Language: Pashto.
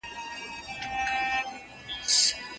لكه د دوبي باران للمه د پټــي ورانـوي